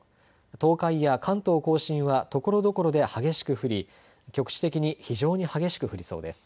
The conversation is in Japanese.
東海や関東甲信はところどころで激しく降り局地的に非常に激しく降りそうです。